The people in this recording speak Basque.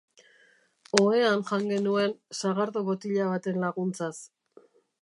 Ohean jan genuen, sagardo botila baten laguntzaz.